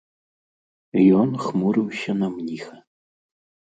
Ён хмурыўся на мніха.